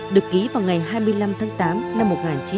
được ký vào ngày hai mươi năm tháng tám năm một nghìn chín trăm sáu mươi chín